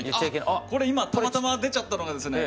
あっこれ今たまたま出ちゃったのがですね